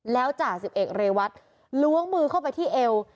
แล้วจ่าสิบเอกเรวัตล้วงมือเข้าไปที่เอว